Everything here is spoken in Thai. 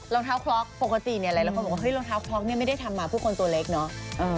รองเท้าคล็อกปกติเนี่ยหลายคนบอกว่าเฮรองเท้าคล็อกเนี่ยไม่ได้ทำมาผู้คนตัวเล็กเนาะ